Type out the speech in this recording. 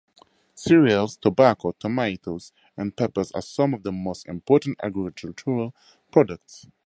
Cereals, tobacco, tomatoes and peppers are some of the most important agricultural products.